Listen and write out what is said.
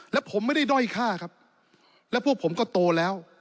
แล้วผมไม่ได้ด้อยฆ่าครับแล้วพวกผมก็โตแล้ว